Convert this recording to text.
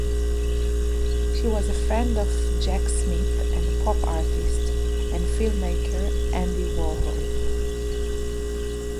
She was a friend of Jack Smith and pop artist and filmmaker Andy Warhol.